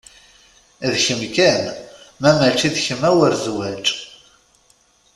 D kem kan, ma mači d kem a wer zwaǧ.